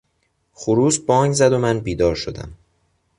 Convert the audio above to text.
خروس بانگ زد و من بیدار شدم.